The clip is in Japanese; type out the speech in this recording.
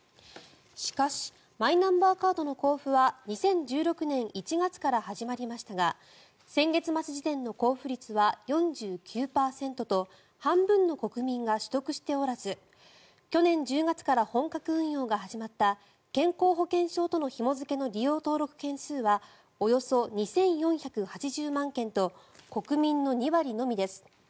しかしマイナンバーカードの交付は２０１６年１月から始まりましたが先月末時点の交付率は４９％と半分の国民が取得しておらず去年１０月から本格運用が始まった健康保険証とのひも付けの利用登録件数はおよそ２４８０万件と国民の２割のみです。